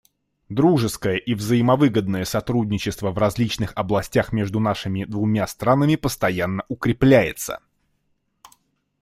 Дружеское и взаимовыгодное сотрудничество в различных областях между нашими двумя странами постоянно укрепляется.